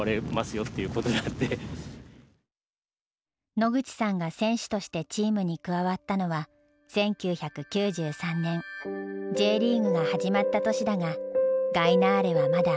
野口さんが選手としてチームに加わったのは１９９３年Ｊリーグが始まった年だがガイナーレはまだアマチュア。